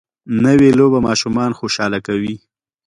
نوې لوبه ماشومان خوشحاله کوي